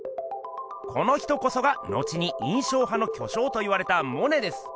この人こそが後に印象派の巨匠といわれたモネです。